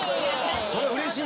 それうれしい。